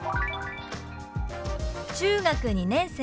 「中学２年生」。